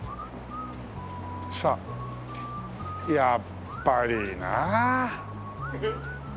さあやっぱりな。